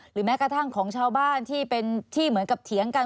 แม้กระทั่งของชาวบ้านที่เป็นที่เหมือนกับเถียงกัน